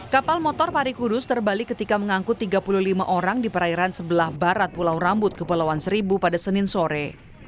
kapal motor parikudus terbalik ketika mengangkut tiga puluh lima orang di perairan sebelah barat pulau rambut kepulauan seribu pada senin sore